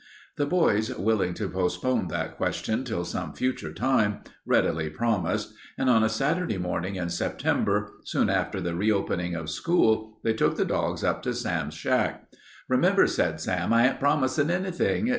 The boys, willing to postpone that question till some future time, readily promised, and on a Saturday morning in September, soon after the reopening of school, they took the dogs up to Sam's shack. "Remember," said Sam, "I ain't promisin' anything.